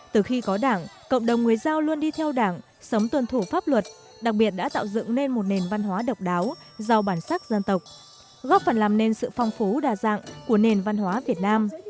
từ khi có đảng cộng đồng người giao luôn đi theo đảng sống tuân thủ pháp luật đặc biệt đã tạo dựng nên một nền văn hóa độc đáo giàu bản sắc dân tộc góp phần làm nên sự phong phú đa dạng của nền văn hóa việt nam